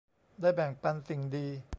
ได้แบ่งปันสิ่งดี